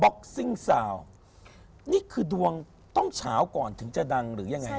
็อกซิ่งซาวนี่คือดวงต้องเฉาก่อนถึงจะดังหรือยังไง